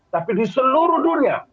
tapi di seluruh dunia